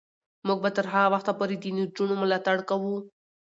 موږ به تر هغه وخته پورې د نجونو ملاتړ کوو.